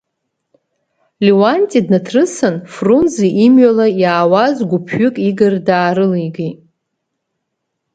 Леуанти днаҭрысын, Фрунзе имҩала иаауаз гәыԥ-ҩык Игор даарылигеит.